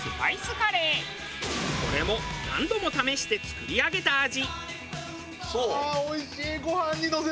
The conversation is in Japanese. これも何度も試して作り上げた味。